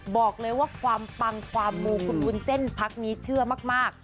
บอกเลยว่าความปังความมูคุณวุ้นเส้นพักนี้เชื่อมาก